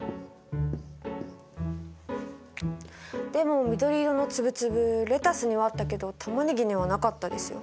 でも緑色の粒々レタスにはあったけどタマネギにはなかったですよ。